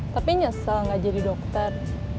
tapi nyesel gak jadi dokter